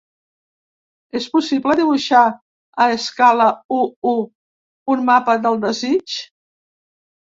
És possible dibuixar a escala u:u un mapa del desig?